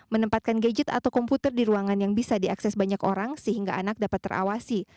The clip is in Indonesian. menempatkan gadget atau komputer di ruangan yang bisa diakses banyak orang sehingga anak dapat terawasi